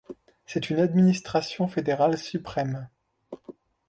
C’est une administration fédérale suprême.